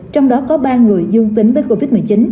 trong đó có ba người dương tính với covid một mươi chín